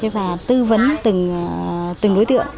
và tư vấn từng đối tượng